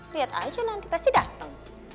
lihat aja nanti pasti datang